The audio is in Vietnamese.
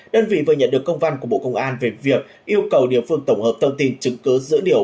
đơn vị vừa nhận được công văn của bộ công an về việc yêu cầu địa phương tổng hợp thông tin chứng cứ dữ liệu